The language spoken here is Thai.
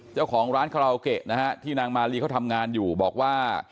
เจ้าของร้านคาราโอเกะนะฮะที่นางมาลีเขาทำงานอยู่บอกว่า